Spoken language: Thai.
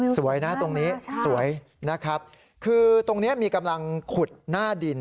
สวยนะตรงนี้สวยนะครับคือตรงนี้มีกำลังขุดหน้าดิน